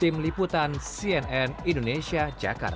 tim liputan cnn indonesia jakarta